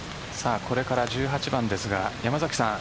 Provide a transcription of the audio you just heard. これから１８番ですが山崎さん。